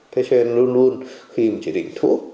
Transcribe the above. thế cho nên luôn luôn khi chỉ định thuốc